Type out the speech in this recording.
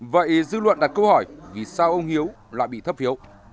vậy dư luận đặt câu hỏi vì sao ông hiếu lại bị thấp phiếu